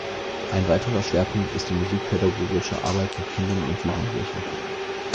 Ein weiterer Schwerpunkt ist die musikpädagogische Arbeit mit Kindern und Jugendlichen.